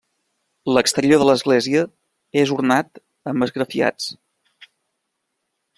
L'exterior de l'església és ornat amb esgrafiats.